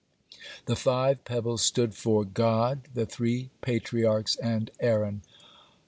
(37) The five pebbles stood for God, the three Patriarchs, and Aaron.